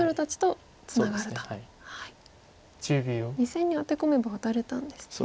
２線にアテ込めばワタれたんですね。